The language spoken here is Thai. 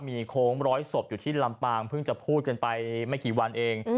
มีโค้งร้อยศพอยู่ที่ลำปางเพิ่งจะพูดกันไปไม่กี่วันเอง